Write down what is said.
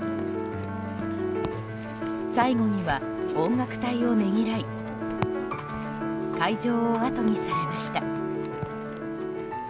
最後には音楽隊をねぎらい会場をあとにされました。